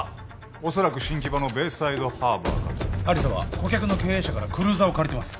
おそらく新木場のベイサイドハーバーかと亜理紗は顧客の経営者からクルーザーを借りてます